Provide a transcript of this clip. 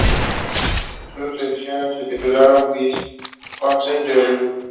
Sus sucesores se titularon vizcondes de Urgel.